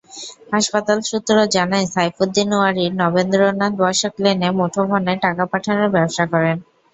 হাসপাতাল সূত্র জানায়, সাইফুদ্দিন ওয়ারীর নবেন্দ্রনাথ বসাক লেনে মুঠোফোনে টাকা পাঠানোর ব্যবসা করেন।